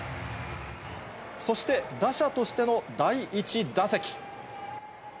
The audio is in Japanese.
そして、打者としての第１打席。